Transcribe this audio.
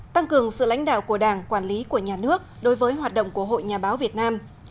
tăng cường sự lãnh đạo của đảng quản lý của nhà nước đối với hoạt động của hội nhà báo việt nam